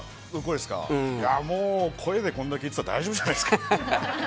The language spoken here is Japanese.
もう声でこんなにやってたら大丈夫じゃないですか？